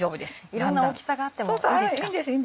いろんな大きさがあってもいいですか？